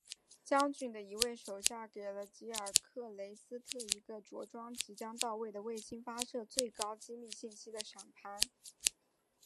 将军的一位手下给了吉尔克雷斯特一个装着即将到来的卫星发射的最高机密信息的闪盘。